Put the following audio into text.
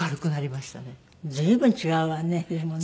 随分違うわねでもね。